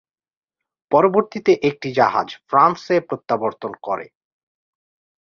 পরবর্তীতে একটি জাহাজ ফ্রান্সে প্রত্যাবর্তন করে।